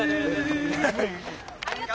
ありがとう！